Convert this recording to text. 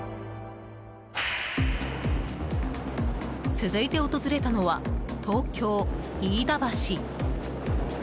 続いて訪れたのは東京・飯田橋。